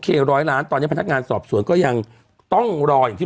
ร้อยล้านตอนนี้พนักงานสอบสวนก็ยังต้องรออย่างที่